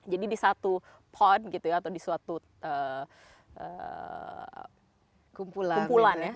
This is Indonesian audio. jadi di satu pod gitu ya atau di satu kumpulan ya